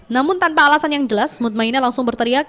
namun tanpa alasan yang jelas mutma inah langsung berteriak